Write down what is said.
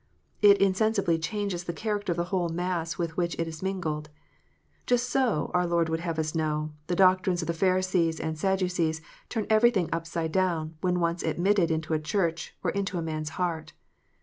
It insensibly changes the character of the whole mass with which it is mingled ; just so, our Lord would have us know, the doctrines of the Pharisees and Sadducees turn everything upside down, when once admitted into a Church or into a man s heart.